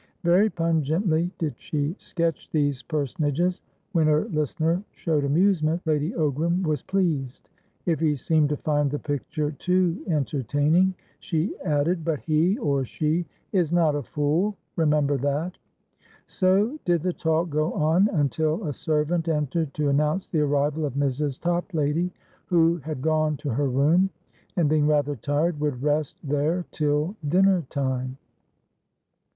Very pungently did she sketch these personages. When her listener showed amusement, Lady Ogram was pleased; if he seemed to find the picture too entertaining, she added"But heor sheis not a fool, remember that." So did the talk go on, until a servant entered to announce the arrival of Mrs. Toplady, who had gone to her room, and, being rather tired, would rest there till dinner time.